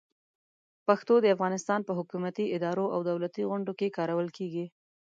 پښتو د افغانستان په حکومتي ادارو او دولتي غونډو کې کارول کېږي.